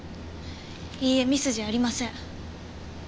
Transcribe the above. いいえミスじゃありません。